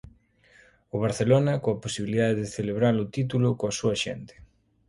O Barcelona, coa posibilidade de celebrar o título coa súa xente.